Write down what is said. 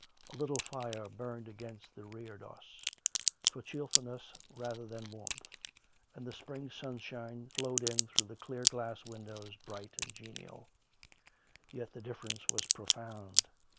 A little fire burned against the reredos, for cheer fulness rather than warmth, and the spring sunshine flowed in through the clear glass windows, bright and genial. Yet the difference was profound.